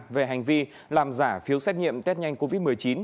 về hành vi làm giả phiếu xét nghiệm test nhanh covid một mươi chín